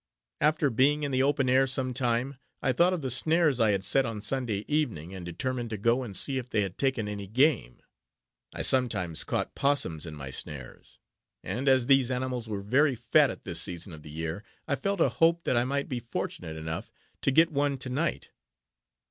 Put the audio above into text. After being in the open air some time, I thought of the snares I had set on Sunday evening, and determined to go and see if they had taken any game. I sometimes caught oppossums in my snares; and, as these animals were very fat at this season of the year, I felt a hope that I might be fortunate enough to get one to night.